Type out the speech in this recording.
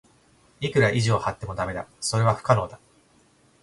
いくら意地を張っても駄目だ。それは不可能だ。